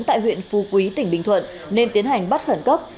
tại huyện phu quý tỉnh bình thuận nên tiến hành bắt khẩn cấp